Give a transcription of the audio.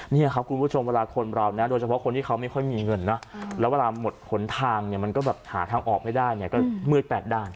นี่ครับคุณผู้ชมเวลาคนเรานะโดยเฉพาะคนที่เขาไม่ค่อยมีเงินนะแล้วเวลาหมดหนทางเนี่ยมันก็แบบหาทางออกไม่ได้เนี่ยก็มืดแปดด้าน